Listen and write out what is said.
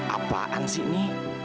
apaan sih ini